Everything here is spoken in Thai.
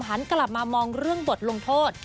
หันกลับมามองเรื่องบทลงโทษ